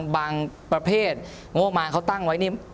บางประเภทโง่มาเขาตั้งไว้นี่